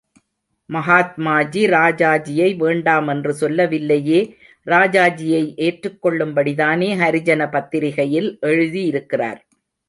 மகாத்மாஜி ராஜாஜியை வேண்டாம் என்று சொல்லவில்லையே, ராஜாஜியை ஏற்றுக் கொள்ளும்படிதானே ஹரிஜன் பத்திரிகையில் எழுதியிருக்கிறார்.